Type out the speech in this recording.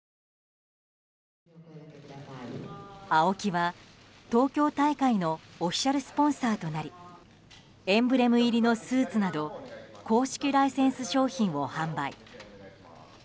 ＡＯＫＩは、東京大会のオフィシャルスポンサーとなりエンブレム入りのスーツなど公式ライセンス商品を販売。